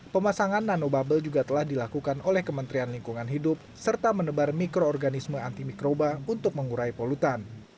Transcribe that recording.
pemasangan nanobubble juga telah dilakukan oleh kementerian lingkungan hidup serta menebar mikroorganisme antimikroba untuk mengurai polutan